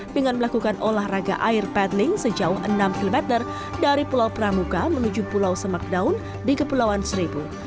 dengan melakukan olahraga air petling sejauh enam km dari pulau pramuka menuju pulau semakdaun di kepulauan seribu